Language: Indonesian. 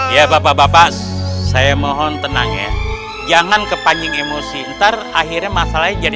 ya bapak bapak saya mohon tenangnya jangan kepanjing emosi ntar akhirnya masalah jadi